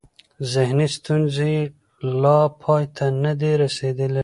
ذهني ستونزې یې لا پای ته نه دي رسېدلې.